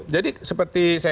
jadi seperti saya